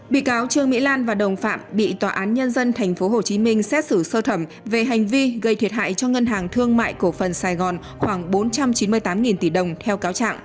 bị cáo trương mỹ lan và đồng phạm bị tòa án nhân dân tp hcm xét xử sơ thẩm về hành vi gây thiệt hại cho ngân hàng thương mại cổ phần sài gòn khoảng bốn trăm chín mươi tám tỷ đồng theo cáo trạng